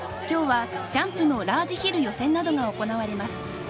今日はジャンプのラージヒル予選などが行われます。